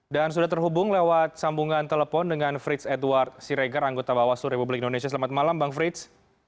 dan sudah terhubung lewat sambungan telepon dengan fritz edward sireger anggota bawaslu republik indonesia selamat malam bang fritz